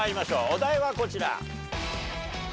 お題はこちら。